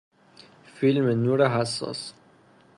فیلم نور حساس